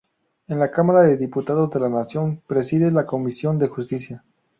En la cámara de Diputados de la Nación preside la comisión de Justicia.